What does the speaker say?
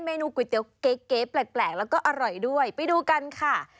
นูก๋วยเตี๋ยวเก๋แปลกแล้วก็อร่อยด้วยไปดูกันค่ะ